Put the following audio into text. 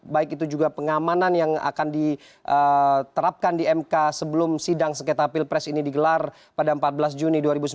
baik itu juga pengamanan yang akan diterapkan di mk sebelum sidang sengketa pilpres ini digelar pada empat belas juni dua ribu sembilan belas